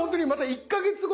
１か月後。